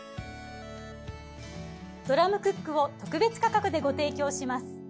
ドラムクックを特別価格でご提供します。